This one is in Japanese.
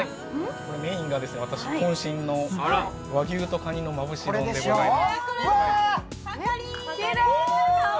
メインが私、こん身の和牛と蟹のまぶし丼でございます。